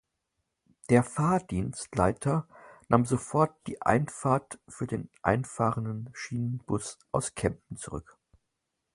Der Fahrdienstleiter nahm sofort die Einfahrt für den einfahrenden Schienenbus aus Kempten zurück.